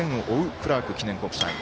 クラーク記念国際。